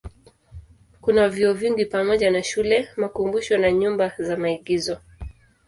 Kuna vyuo vingi pamoja na shule, makumbusho na nyumba za maigizo.